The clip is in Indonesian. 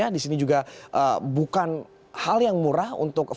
di sini juga bukan hal yang murah untuk